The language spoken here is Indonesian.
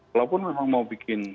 walaupun memang mau bikin